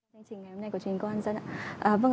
thưa phó giáo sư